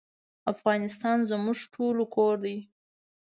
افغانستان زموږ ټولو کور دی